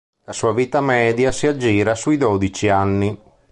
La sua vita media si aggira sui dodici anni.